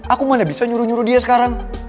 aku mana bisa nyuruh nyuruh dia sekarang